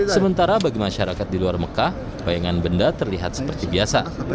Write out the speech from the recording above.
sementara bagi masyarakat di luar mekah bayangan benda terlihat seperti biasa